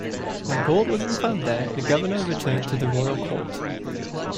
When gold wasn't found there, the governor returned to the Royal Court.